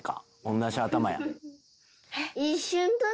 同じ頭や」